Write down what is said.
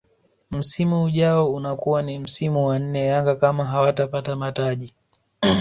Msimu ujao unakuwa ni msimu wa nne Yanga kama hawatapata mataji